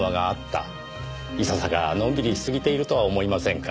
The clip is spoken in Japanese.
いささかのんびりしすぎているとは思いませんか？